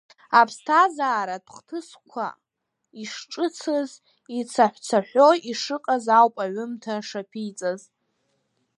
Аԥсҭазааратә хҭысқәа ишҿыцыз, ицаҳәцаҳәо ишыҟаз ауп аҩымҭа шаԥиҵаз.